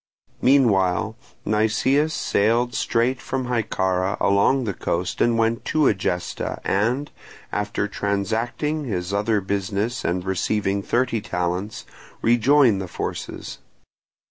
Meanwhile Nicias sailed straight from Hyccara along the coast and went to Egesta and, after transacting his other business and receiving thirty talents, rejoined the forces.